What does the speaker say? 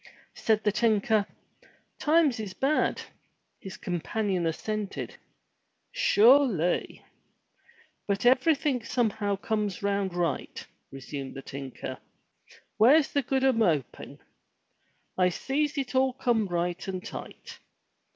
Said the tinker, "Times is bad!" His companion assented, "Sure ly!" "But everything somehow comes round right," resumed the tinker. "Where's the good o' moping? I sees it all come right and tight.